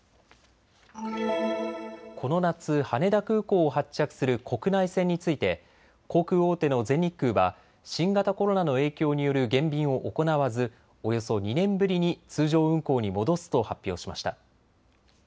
この夏、羽田空港を発着する国内線について航空大手の全日空は新型コロナの影響による減便を行わずおよそ２年ぶりに通常運航に戻すと発表しました。